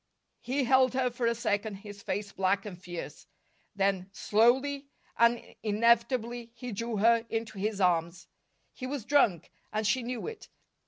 He held her for a second, his face black and fierce. Then, slowly and inevitably, he drew her into his arms. He was drunk, and she knew it.